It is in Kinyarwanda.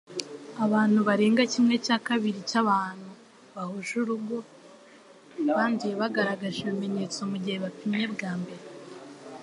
Abantu barenga kimwe cya kabiri cyabantu bahuje urugo banduye bagaragaje ibimenyetso mugihe bapimye bwa mbere